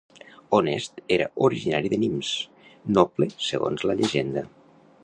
Honest era originari de Nimes, noble segons la llegenda.